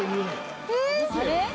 「えっ」